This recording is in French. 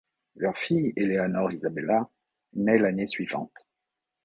Leur fille, Eleanor Isabella, nait l'année suivante.